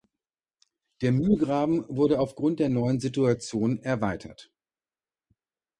Der Mühlgraben wurde aufgrund der neuen Situation erweitert.